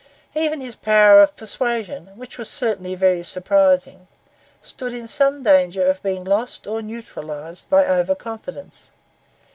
Even his power of persuasion, which was certainly very surprising, stood in some danger of being lost or neutralised by over confidence.